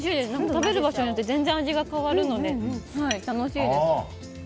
食べる場所によって全然、味が変わるので楽しいです。